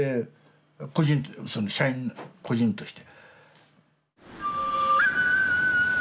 社員個人として。